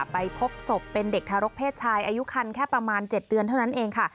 ไปพบศพเป็นเด็กทารกเพศชายอายุคันแค่ประมาณ๗เดือนเท่านั้นเองค่ะ